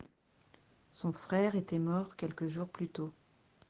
Son frère était mort quelques jours plus tôt...